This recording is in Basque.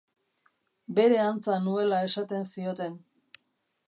Bere antza nuela esaten zioten.